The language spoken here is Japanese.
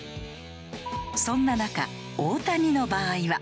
そんな中大谷の場合は。